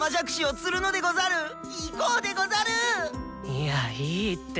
いやいいって。